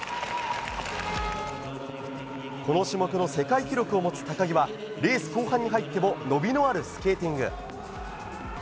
この種目の世界記録を持つ高木はレース後半に入っても伸びのあるスケーティング。